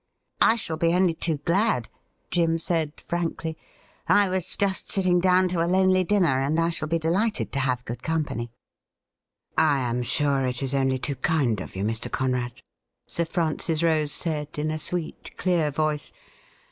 'I shall be only too glad,' Jim said frankly. 'I was just sitting down to a lonely dinner, and I shall be delighted to have good company.' ' I am sure it is only too kind of you, Mr. Conrad,' Sir Francis Rose said, in a sweet clear voice.